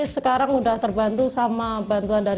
sekarang sudah terbantu sama bapak gubernur